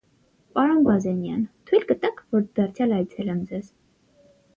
Պարոն Բազենյան, թո՞ւյլ կտաք, որ դարձյալ այցելեմ ձեզ: